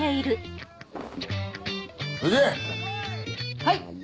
はい！